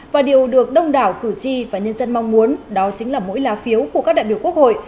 và điều được đông đảo cử tri và nhân dân mong muốn đó chính là mỗi lá phiếu của các đại biểu quốc hội